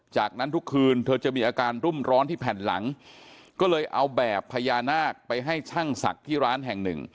จากนั้นทุกคืนเธอจะมีอาการรุ่มร้อนที่แผ่นหลังก็เลยเอาแบบพญานาคไปให้ช่างศักดิ์ที่ร้านแห่งหนึ่ง